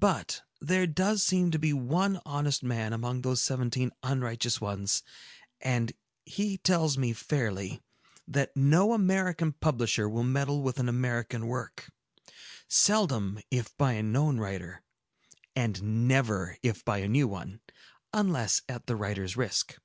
"But, there does seem to be one honest man among these seventeen unrighteous ones; and he tells me fairly, that no American publisher will meddle with an American work,—seldom if by a known writer, and never if by a new one,—unless at the writer's risk."